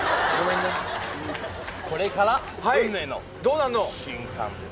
これから運命の瞬間です。